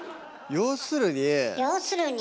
要するに。